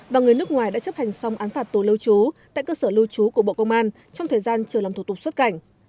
và người nước ngoài đã chấp hành xong án phạt tổ lưu trú tại cơ sở lưu trú của bộ công an trong thời gian chờ làm thủ tục xuất cảnh